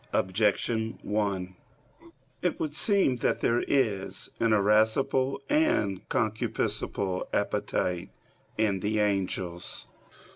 Objection 1: It would seem that there is an irascible and a concupiscible appetite in the angels.